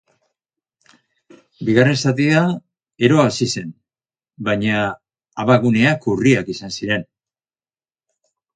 Bigarren zatia ero hasi zen, baina abaguneak urriak izan ziren.